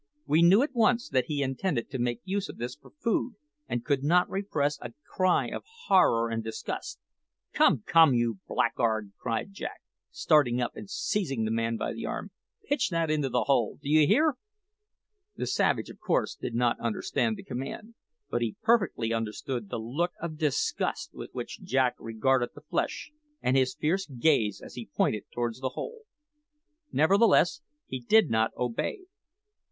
We knew at once that he intended to make use of this for food, and could not repress a cry of horror and disgust. "Come, come, you blackguard!" cried Jack, starting up and seizing the man by the arm, "pitch that into the hole. Do you hear?" The savage, of course, did not understand the command; but he perfectly understood the look of disgust with which Jack regarded the flesh, and his fierce gaze as he pointed towards the hole. Nevertheless, he did not obey.